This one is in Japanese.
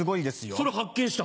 それ発見した？